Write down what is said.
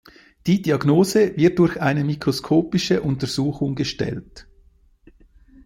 Die Diagnose wird durch eine mikroskopische Untersuchung gestellt.